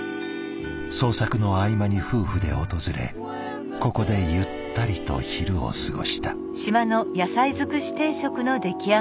創作の合間に夫婦で訪れここでゆったりと昼を過ごした。